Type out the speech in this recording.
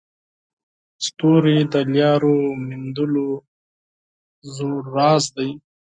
ستوري د لارو موندلو زوړ راز دی.